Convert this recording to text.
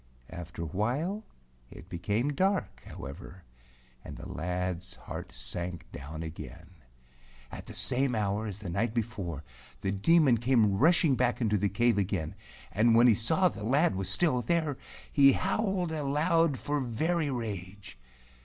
After a while it became dark, however, and the lad's heart sank down again. At the same hour as the night before, the Demon came rushing back into the cave again, and when he saw the lad was still there, he howled aloud for very rage.